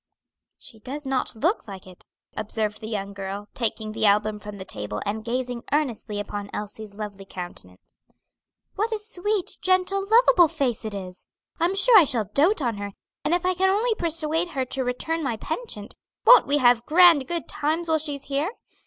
"She does not look like it," observed the young girl, taking the album from the table and gazing earnestly upon Elsie's lovely countenance. "What a sweet, gentle, lovable face it is! I'm sure I shall dote on her; and if I can only persuade her to return my penchant, won't we have grand good times while she's here?